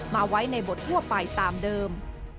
มาไว้ในบททั่วไปตามเดิม